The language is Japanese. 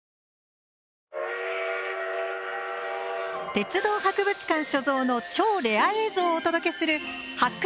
鉄道博物館所蔵の超レア映像をお届けする「発掘！